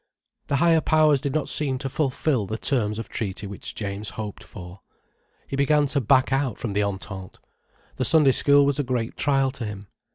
The higher powers did not seem to fulfil the terms of treaty which James hoped for. He began to back out from the Entente. The Sunday School was a great trial to him.